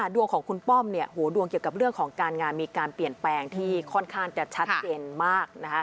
ดวงของคุณป้อมดวงเกี่ยวกับเรื่องของการงานมีการเปลี่ยนแปลงที่ค่อนข้างจะชัดเจนมากนะคะ